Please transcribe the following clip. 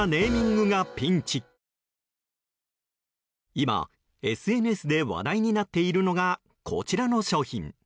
今、ＳＮＳで話題になっているのがこちらの商品。